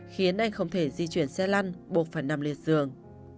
khiến anh không thể di chuyển xe lăn buộc phải nằm liệt dường